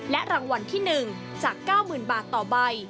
รางวัลที่๑จาก๙๐๐๐บาทต่อใบ